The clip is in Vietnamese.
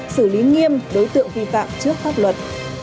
xử lý nghiêm đối tượng vi phạm trước pháp luật